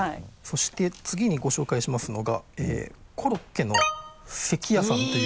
そして次にご紹介しますのが「コロッケのせきや」さんという。